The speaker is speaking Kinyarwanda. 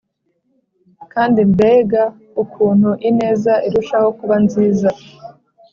kandi mbega ukuntu ineza irushaho kuba nziza,